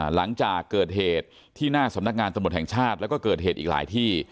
หลังจากเกิดเหตุที่หน้าสำนักงานตำรวจแห่งชาติแล้วก็เกิดเหตุอีกหลายที่